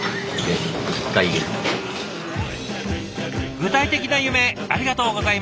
具体的な夢ありがとうございました。